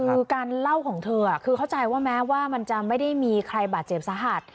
คือการเล่าของเธอคือเข้าใจว่าแม้ว่ามันจะไม่ได้มีใครบาดเจ็บสาหัส